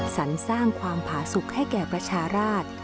สรรสร้างความผาสุขให้แก่ประชาราช